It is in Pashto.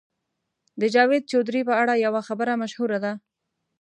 د جاوید چودهري په اړه یوه خبره مشهوره ده.